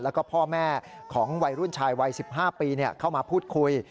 แล้วก็พ่อแม่ของวัยรุ่นชายวัย๑๕ปีเข้ามาพูดคุย